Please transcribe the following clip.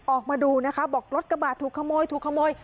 ออกมาดูนะคะบอกรถกระบาดถูกขโมยถูกขโมย